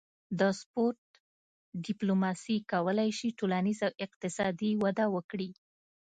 د سپورت ډیپلوماسي کولی شي ټولنیز او اقتصادي وده وکړي